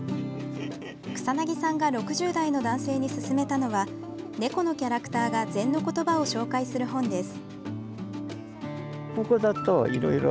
草薙さんが６０代の男性に薦めたのは猫のキャラクターが禅の言葉を紹介する本です。